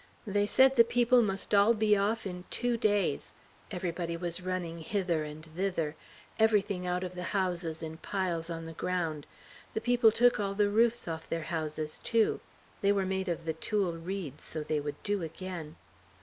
They said the people must all be off in two days. Everybody was running hither and thither. Everything out of the houses in piles on the ground. The people took all the roofs off their houses too. They were made of the tule reeds; so they would do again.